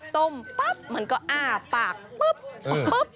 ต้มปั๊บมันก็อ้าปากปุ๊บ